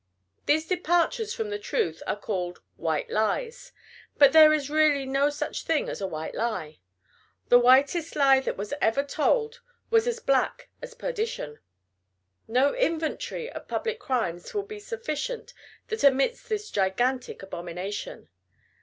These departures from the truth are called "white lies;" but there is really no such thing as a white lie. The whitest lie that was ever told was as black as perdition. No inventory of public crimes will be sufficient that omits this gigantic abomination.